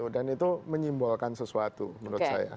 itu menyimbolkan sesuatu menurut saya